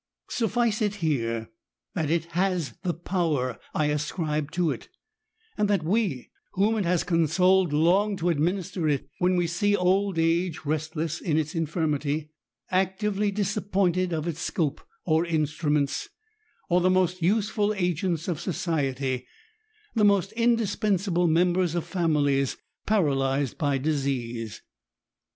Sufiice it here that it has the power I ascribe to it, and that we whom it has consoled long to administer it when we see old age restless in its infirmity, activity disappointed of its scope or instruments, or the most useful agents of society, the most indispensable members of families paralysed by disease.